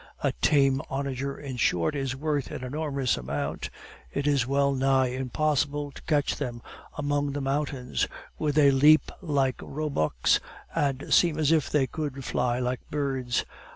A tame onager, in short, is worth an enormous amount; it is well nigh impossible to catch them among the mountains, where they leap like roebucks, and seem as if they could fly like birds.